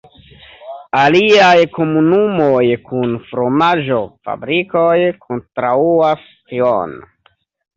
Aliaj komunumoj kun fromaĝo-fabrikoj kontraŭas tion.